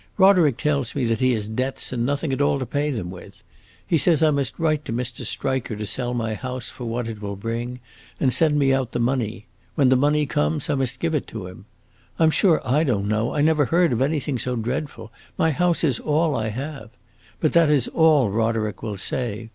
"Roderick tells me that he has debts and nothing at all to pay them with. He says I must write to Mr. Striker to sell my house for what it will bring, and send me out the money. When the money comes I must give it to him. I 'm sure I don't know; I never heard of anything so dreadful! My house is all I have. But that is all Roderick will say.